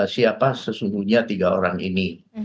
siapa sesungguhnya tiga orang ini